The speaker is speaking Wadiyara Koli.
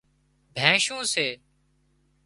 بينشُون سي